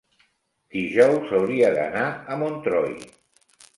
Dijous hauria d'anar a Montroi.